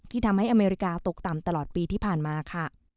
ทำให้อเมริกาตกต่ำตลอดปีที่ผ่านมาค่ะ